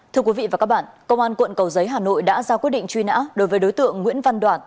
thưa quý vị và các bạn công an quận cầu giấy hà nội đã ra quyết định truy nã đối với đối tượng nguyễn văn đoạn